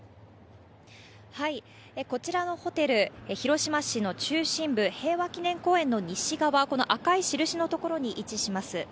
こちらのホテル、広島市の中心部、平和記念公園の西側、この赤いしるしの所に位置します。